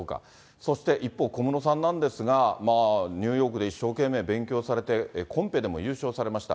そして一方、小室さんなんですが、ニューヨークで一生懸命勉強されて、コンペでも優勝されました。